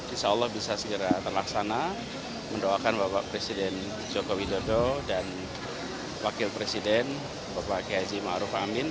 insya allah bisa segera terlaksana mendoakan bapak presiden jokowi dodo dan wakil presiden bapak kehaji ma'ruf amin